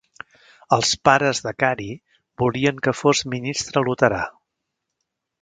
Els pares de Carey volien que fos ministre luterà.